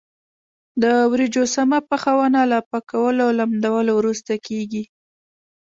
د وریجو سمه پخونه له پاکولو او لمدولو وروسته کېږي.